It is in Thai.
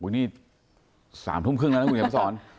นี่๓ทุ่มครึ่งแล้วนะคุณเขียนมาสอน